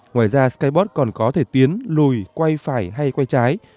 ngoài ra skyberg còn có thể tiến lùi quay phải hay quay trái